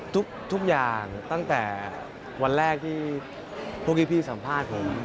ทุกอย่างตั้งแต่วันแรกที่พวกที่พี่สัมภาษณ์ผม